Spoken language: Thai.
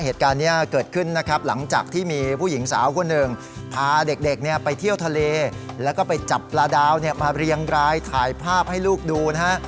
ที่มีผู้หญิงสาวคนหนึ่งพาเด็กเด็กเนี่ยไปเที่ยวทะเลแล้วก็ไปจับปลาดาวเนี่ยมาเรียงรายถ่ายภาพให้ลูกดูนะฮะ